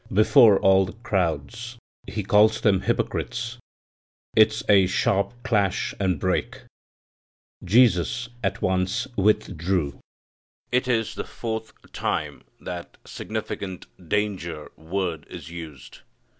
Before all the crowds He calls them hypocrites. It's a sharp clash and break. Jesus at once "withdrew." It is the fourth time that significant danger word is used.